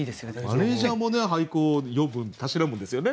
マネージャーも俳句をたしなむんですよね。